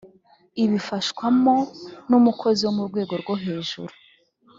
ibifashwamo n umukozi wo mu rwego rwo hejuru